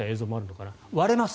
割れます。